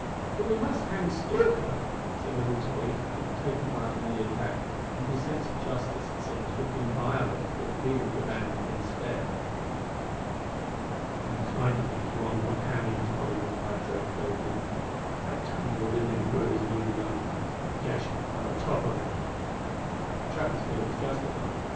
"But we must hang Stalker," said little Tolly, who had taken part in the attack, and whose sense of justice, it seems, would have been violated if the leader of the band had been spared. "I'm inclined to think he won't want hangin', Tolly," replied Drake, gravely. "That tumble didn't improve his wounded arm, for Gashford fell atop of him." The trapper's fear was justified.